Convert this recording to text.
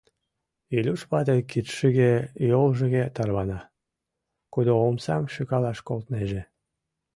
Илюш вате кидшыге, йолжыге тарвана, кудо омсам шӱкал колтынеже.